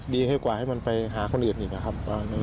ให้กว่าให้มันไปหาคนอื่นอีกนะครับ